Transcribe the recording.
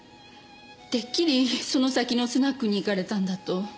てっきりその先のスナックに行かれたんだと。